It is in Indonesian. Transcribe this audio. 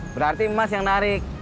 berarti mas yang narik